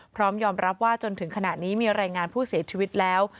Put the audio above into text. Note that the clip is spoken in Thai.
พร้อมยอมรับว่าจนถึงขณะนี้มีรายงานผู้เสียชีวิตแล้ว